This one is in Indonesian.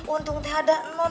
untung ga ada non